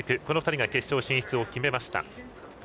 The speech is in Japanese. この２人が決勝進出を決めました。